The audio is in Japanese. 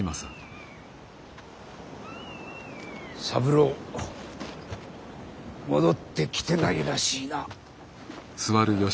三郎戻ってきてないらしいな。